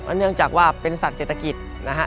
เพราะเนื่องจากว่าเป็นสัตว์เจตกิจนะครับ